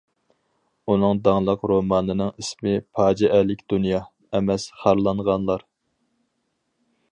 ئۇنىڭ داڭلىق رومانىنىڭ ئىسمى- «پاجىئەلىك دۇنيا» ئەمەس، «خارلانغانلار» .